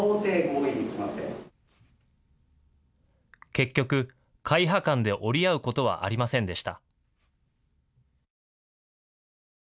結局、会派間で折り合うことはありませんでした。